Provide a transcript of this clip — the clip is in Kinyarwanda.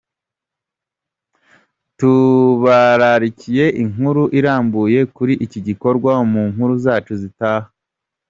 Tubararikiye inkuru irambuye kuri iki gikorwa mu nkuru zacu zitaha.